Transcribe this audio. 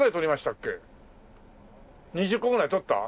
２０個ぐらい取った？